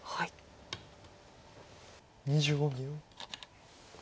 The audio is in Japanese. ２５秒。